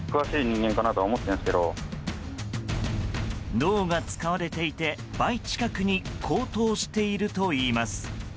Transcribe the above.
銅が使われていて倍近くに高騰しているといいます。